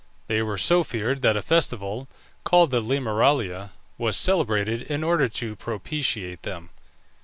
They were so feared that a festival, called the Lemuralia, was celebrated in order to propitiate them.